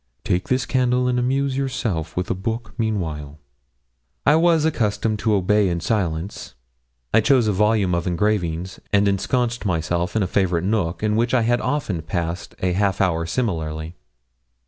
Take this candle and amuse yourself with a book meanwhile.' I was accustomed to obey in silence. I chose a volume of engravings, and ensconced myself in a favourite nook in which I had often passed a half hour similarly.